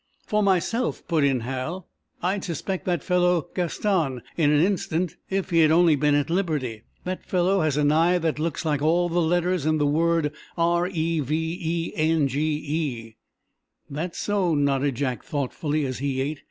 "For myself," put in Hal, "I'd suspect that fellow Gaston, in an instant, if he had only been at liberty. That fellow has an eye that looks like all the letters in the word 'r e v e n g e.'" "That's so," nodded Jack, thoughtfully, as he ate.